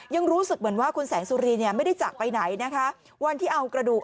ยังรู้สึกเหมือนว่าคุณแสงสุรีเนี่ยไม่ได้จากไปไหนนะคะวันที่เอากระดูก